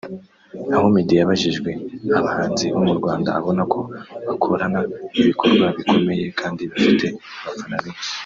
Aho Meddy yabajijwe abahanzi bo mu Rwanda abona ko bakorana ibikorwa bikomeye kandi bafite abafana benshi